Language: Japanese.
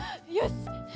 よし。